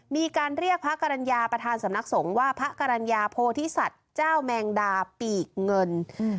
มีการเรียกพระกรรณญาประธานสำนักสงฆ์ว่าพระกรรณญาโพธิสัตว์เจ้าแมงดาปีกเงิน